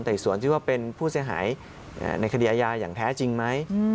แต่ส่วนที่ว่าเป็นผู้เสียหายในคดีอาญาอย่างแท้จริงไหม